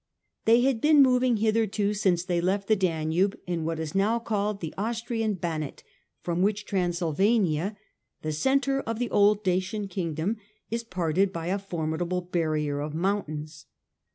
They had been moving hitherto since they left the Danube in what is now called the Austrian Banat, from which Transylvania, the centre of the old thead Dacian kingdom, is parted by a formidable TraSyN^ barrier of mountains.